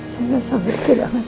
saya tidak sampai kehilangan